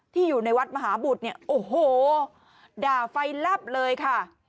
อยู่ในวัดมหาบุตรเนี่ยโอ้โหด่าไฟลับเลยค่ะ